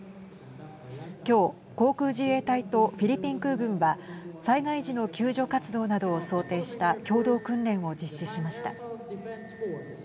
きょう航空自衛隊とフィリピン空軍は災害時の救助活動などを想定した共同訓練を実施しました。